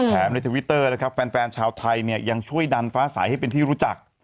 ในทวิตเตอร์นะครับแฟนชาวไทยเนี่ยยังช่วยดันฟ้าสายให้เป็นที่รู้จัก